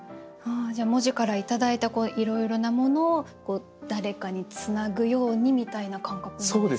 じゃあ文字からいただいたいろいろなものを誰かにつなぐようにみたいな感覚なんですか？